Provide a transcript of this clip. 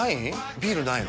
ビールないの？